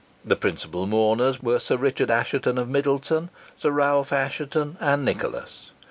The principal mourners were Sir Richard Assheton of Middleton, Sir Ralph Assheton, and Nicholas.